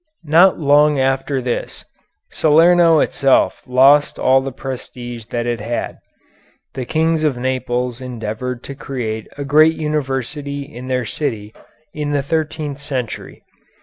Not long after this, Salerno itself lost all the prestige that it had. The Kings of Naples endeavored to create a great university in their city in the thirteenth century.